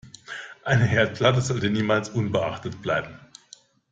Eine Herdplatte sollte niemals unbeachtet bleiben.